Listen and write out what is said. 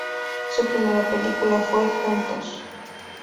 Su primera película fue "Juntos".